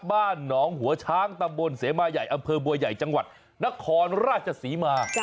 บ้านหนองหัวช้างตำบลเสมาใหญ่อำเภอบัวใหญ่จังหวัดนครราชศรีมา